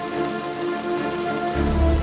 terima kasih pak